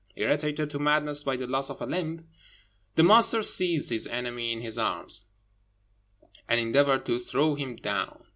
Irritated to madness by the loss of a limb, the monster seized his enemy in his arms, and endeavoured to throw him down.